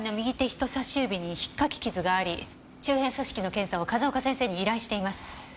人さし指にひっかき傷があり周辺組織の検査を風丘先生に依頼しています。